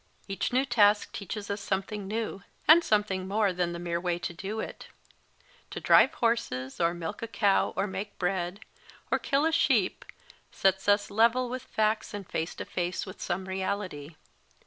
Each ne\v task teaches us something ne\v, and something more than the mere way to do it. To drive horses or milk a cow or make bread, or kill a sheep, sets us level with facts and face to face with some reality.